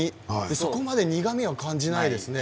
そこまで苦みは感じないです。